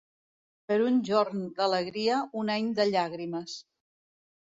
Per un jorn d'alegria, un any de llàgrimes.